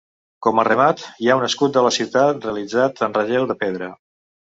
Com a remat hi ha un escut de la ciutat realitzat en relleu de pedra.